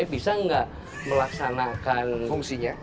bisa gak melaksanakan fungsinya